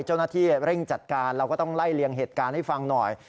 เจ้าหน้าที่เร่งจัดการเราก็ต้องไล่เลี่ยงเหตุการณ์ให้ฟังหน่อย